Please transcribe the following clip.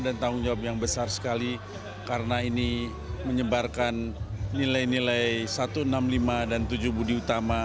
dan tanggung jawab yang besar sekali karena ini menyebarkan nilai nilai satu enam lima dan tujuh budi utama